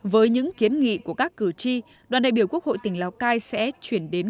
với những kiến nghị của các cử tri đoàn đại biểu quốc hội tỉnh lào cai sẽ chuyển đến